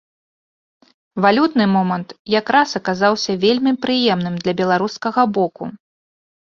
Валютны момант якраз аказаўся вельмі прыемным для беларускага боку.